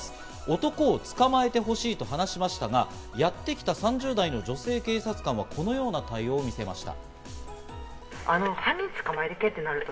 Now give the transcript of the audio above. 男を捕まえてほしいと話しましたが、やってきた３０代の女性警察官はこのような対応を見せました。